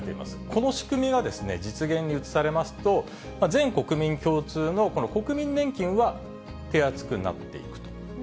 この仕組みが実現に移されますと、全国民共通のこの国民年金は手厚くなっていくと。